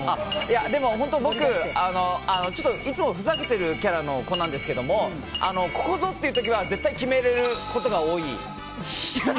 でも、本当に僕いつもふざけてるキャラの子なんですけどここぞっていう時は絶対決めることが多い。